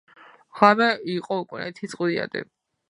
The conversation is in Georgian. ღამე იყო უკუნეთი , წყვდიადი